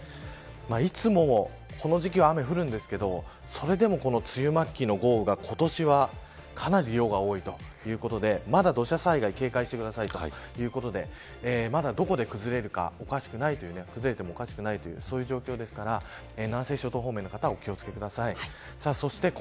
いつもこの時期は雨が降るんですけどそれでも梅雨末期の豪雨が今年はかなり量が多いということでまだ土砂災害警戒してくださいということでまだどこで崩れるか崩れてもおかしくないというそういう状況ですから南西諸島方面の方はお気を付けください。